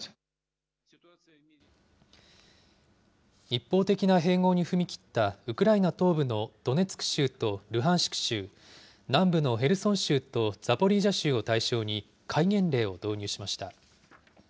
一方的な併合に踏み切った、ウクライナ東部のドネツク州とルハンシク州、南部のヘルソン州とザポリージャ州を対象に、戒厳令を導入しました。